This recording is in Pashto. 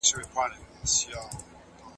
هغه شرايط چي د پلان لپاره مهم دي، بايد وڅېړل سي.